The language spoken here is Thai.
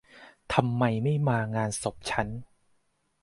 ทำไมไม่มางานศพฉัน